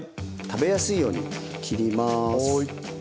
食べやすいように切ります。